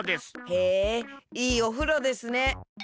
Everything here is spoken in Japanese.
へえいいおふろですね。